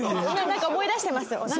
なんか思い出してます。